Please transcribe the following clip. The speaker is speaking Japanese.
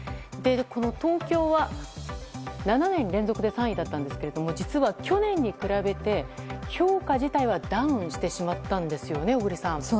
東京は７年連続で３位だったんですが実は去年に比べて評価自体はダウンしてしまったんですよね小栗さん。